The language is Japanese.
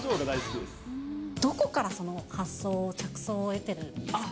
どこからその発想を、着想を得てるんですか？